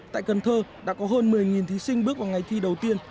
tại cần thơ đã có hơn một mươi thí sinh bước vào ngày thi đầu tiên